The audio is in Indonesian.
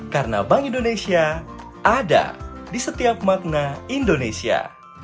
karena bank indonesia ada di setiap makna indonesia